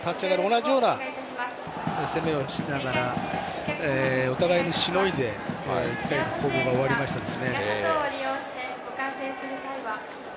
同じような攻めをしながらお互いにしのいで１回の攻防が終わりましたね。